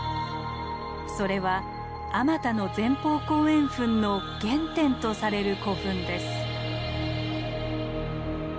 それはあまたの前方後円墳の原点とされる古墳です。